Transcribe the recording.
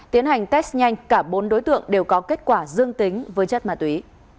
tiến hành test nhanh cả bốn đối tượng đều có kết quả dương tính với chất ma túy